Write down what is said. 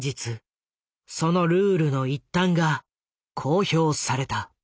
そのルールの一端が公表された。